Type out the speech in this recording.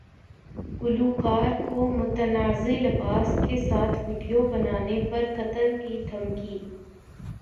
گلوکارہ کو متنازع لباس کے ساتھ ویڈیو بنانے پر قتل کی دھمکی